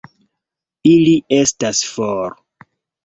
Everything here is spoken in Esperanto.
Ili estas for!